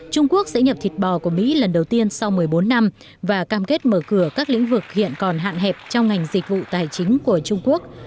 trung quốc sẽ nhập thịt bò của mỹ lần đầu tiên sau một mươi bốn năm và cam kết mở cửa các lĩnh vực hiện còn hạn hẹp trong ngành dịch vụ tài chính của trung quốc